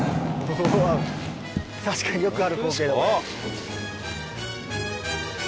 確かによくある光景だこれ。